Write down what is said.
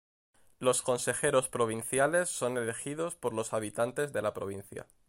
Los consejeros provinciales son elegidos por los habitantes de la provincia.